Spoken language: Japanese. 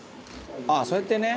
「ああそうやってね」